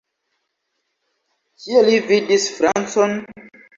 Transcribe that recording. Kie li vidis francon?